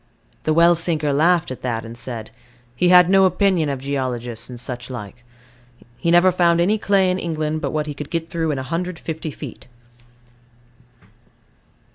The well sinker laughed at that, and said, "He had no opinion of geologists, and such like. He never found any clay in England but what he could get through in 150 feet."